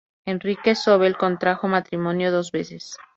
Enrique Zóbel contrajo matrimonio dos veces.